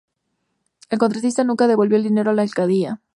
El contratista nunca devolvió el dinero a la alcaldía.